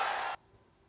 orangnya nggak ada di sini